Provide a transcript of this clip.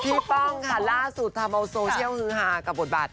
ป้องค่ะล่าสุดทำเอาโซเชียลฮือฮากับบทบาท